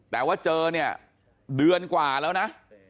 แต่ว่าเจอเนี่ยเดือนกว่าแล้วนะ